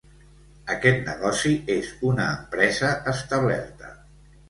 Aquest negoci és una empresa establerta.